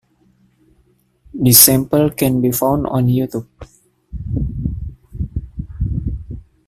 This sample can be found on YouTube.